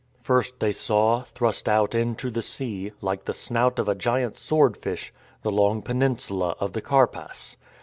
First they saw, thrust out into the sea, like the snout of a giant sword fish, the long peninsula of the Karpass.